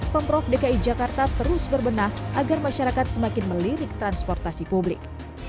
pemprov dki jakarta terus berbenah agar masyarakat semakin melirik transportasi publik